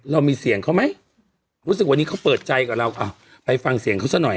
เรามีเสียงเขาไหมรู้สึกวันนี้เขาเปิดใจกับเราอ่ะไปฟังเสียงเขาซะหน่อย